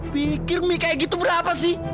piki rengga gitu berapa sih